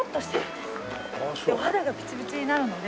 でお肌がピチピチになるので。